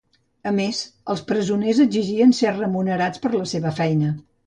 A més, els presoners exigien ser remunerats per la seva feina.